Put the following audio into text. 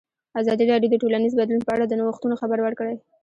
ازادي راډیو د ټولنیز بدلون په اړه د نوښتونو خبر ورکړی.